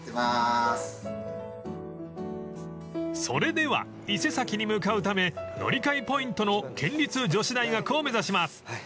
［それでは伊勢崎に向かうため乗り換えポイントの県立女子大学を目指します］